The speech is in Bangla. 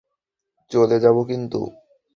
চলে যাব কিন্তু!